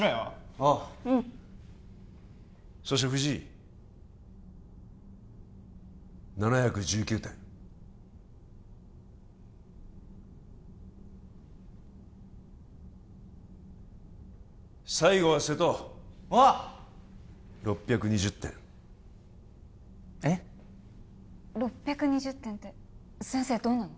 おううんそして藤井７１９点最後は瀬戸おう６２０点えっ６２０点って先生どうなの？